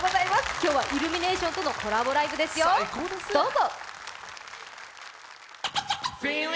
今日はイルミネーションとのコラボライブですよ、どうぞ。